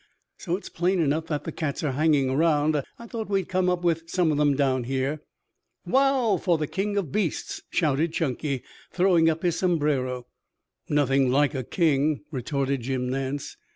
So it's plain enough that the cats are hanging around. I thought we'd come up with some of them down here." "Wow for the king of beasts!" shouted Chunky, throwing up his sombrero. "Nothing like a king," retorted Jim Nance.